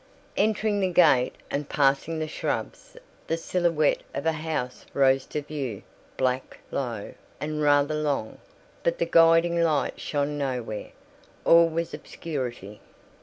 Entering the gate and passing the shrubs, the silhouette of a house rose to view, black, low, and rather long; but the guiding light shone nowhere. All was obscurity.